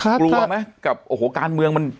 กลัวไหมกับโอ้โหการเมืองมันกับตัวเราหรือพ่อต่าง